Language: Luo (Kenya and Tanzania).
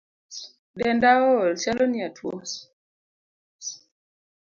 Denda ool, chalo ni atuo